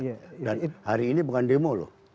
dan hari ini bukan demo loh